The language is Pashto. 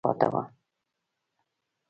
خپرولو ته یې لږ وخت پاته و.